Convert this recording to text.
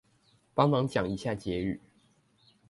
幫忙講一下結語